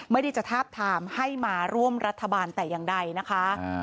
ไม่ได้จะทาบทามให้มาร่วมรัฐบาลแต่อย่างใดนะคะ